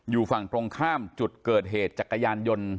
อยู่ฝั่งตรงข้ามจุดเกิดเหตุจักรยานยนต์